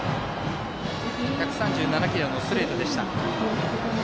１３７キロのストレートでした。